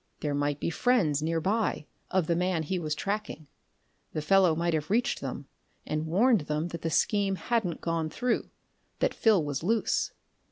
There might be friends, nearby, of the man he was tracking. The fellow might have reached them, and warned them that the scheme hadn't gone through, that Phil was loose.